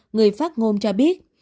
người phát ngôn cho biết